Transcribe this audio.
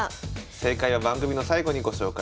正解は番組の最後にご紹介します。